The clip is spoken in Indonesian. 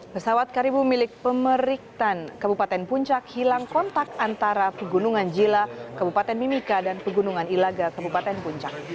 pesawat karibu milik pemeriktan kebupaten puncak hilang kontak antara pegunungan jila kebupaten mimika dan pegunungan ilaga kebupaten puncak